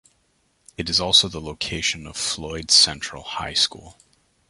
It is also the location of Floyd Central High School.